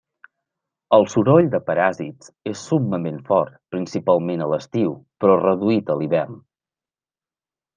El soroll de paràsits és summament fort, principalment a l'estiu, però reduït a l'hivern.